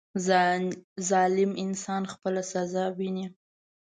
• ظالم انسان خپله سزا ویني.